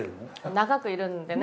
長くいるんでね。